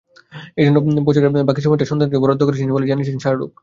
এজন্য বছরের বাকি সময়টা সন্তানদের জন্য বরাদ্দ করেছেন বলেই জানিয়েছেন শাহরুখ।